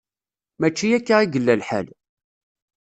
Mačči akka i yella lḥal.